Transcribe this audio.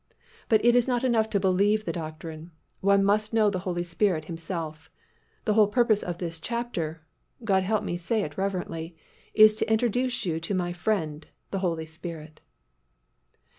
But it is not enough to believe the doctrine—one must know the Holy Spirit Himself. The whole purpose of this chapter (God help me to say it reverently) is to introduce you to my Friend, the Holy Spirit.